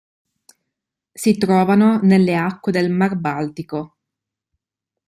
Si trovano nelle acque del mar Baltico.